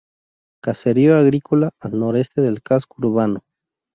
Caserío agrícola al noreste del casco urbano.